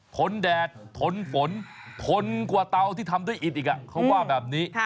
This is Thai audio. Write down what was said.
ทนแดดทนฝนทนกว่าเตาที่ทำด้วยอิดอีกเขาว่าแบบนี้